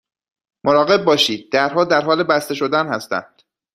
مراقب باشید، درها در حال بسته شدن هستند.